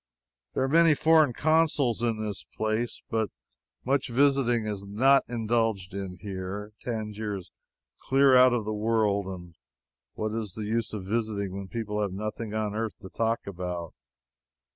There are many foreign consuls in this place, but much visiting is not indulged in. Tangier is clear out of the world, and what is the use of visiting when people have nothing on earth to talk about?